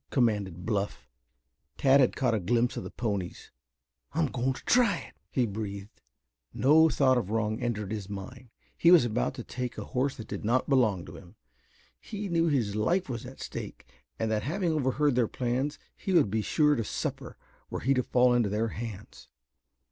commanded Bluff. Tad bad caught a glimpse of the ponies. "I'm going to try it," he breathed. No thought of wrong entered his mind. He was about to take a horse that did not belong to him. He knew his life was at stake and that having overheard their plans he would be sure to suffer were he to fall into their hands.